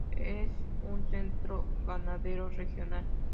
Es un centro ganadero regional.